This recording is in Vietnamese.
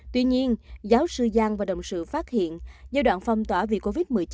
tuy nhiên giáo sư giang và đồng sự phát hiện giai đoạn phong tỏa vì covid một mươi chín